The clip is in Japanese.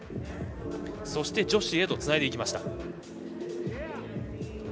そして女子へつないでいきました。